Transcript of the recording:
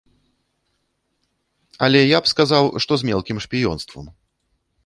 Але я б сказаў, што з мелкім шпіёнствам.